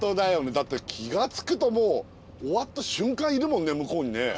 だって気が付くともう終わった瞬間いるもんね向こうにね。